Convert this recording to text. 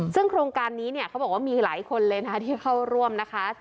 ซึ่งโครงการนี้เนี่ยเขาบอกว่ามีหลายคนเลยนะที่เข้าร่วมนะคะ